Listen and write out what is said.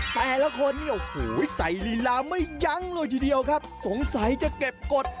แต่ละคนเนี่ยโอ้โหใส่ลีลาไม่ยั้งเลยทีเดียวครับสงสัยจะเก็บกฎ